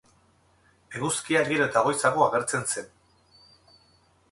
Eguzkia gero eta goizago agertzen zen.